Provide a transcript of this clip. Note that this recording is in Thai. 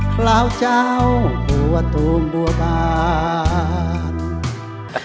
คราวเจ้าหัวตูมบัวบาน